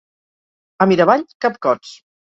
A Miravall, capcots.